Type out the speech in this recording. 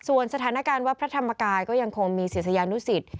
ส่วนสถานการณ์วัดพระธรรมกายก็ยังคงมีศิษยานุสิต